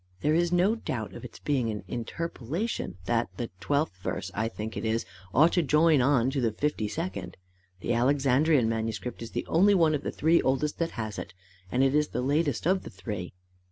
There is no doubt of its being an interpolation that the twelfth verse, I think it is, ought to join on to the fifty second. The Alexandrian manuscript is the only one of the three oldest that has it, and it is the latest of the three.